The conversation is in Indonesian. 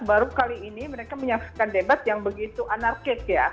baru kali ini mereka menyaksikan debat yang begitu anarkis ya